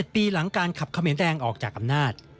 ปีหลังการขับเขมรแดงออกจากอำนาจ